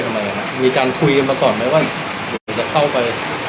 ทำไมนะมีการคุยกันมาก่อนไหมว่าเดี๋ยวจะเข้าไป